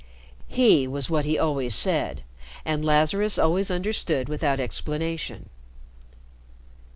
"He" was what he always said, and Lazarus always understood without explanation.